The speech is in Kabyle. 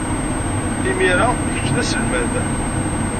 Imir-a, kečč d aselmad.